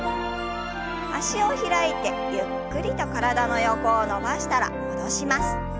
脚を開いてゆっくりと体の横を伸ばしたら戻します。